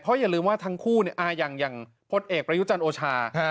เพราะอย่าลืมว่าทั้งคู่เนี่ยอายังอย่างพลเอกประยุจรรย์โอชา